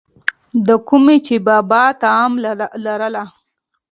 دَکومې چې بابا طمع لرله،